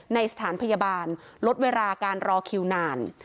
ในสถานพยาบาลลดเวลาการรอคิวนาน